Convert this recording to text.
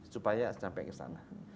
supaya sampai ke sana